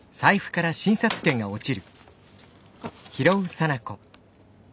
あっ。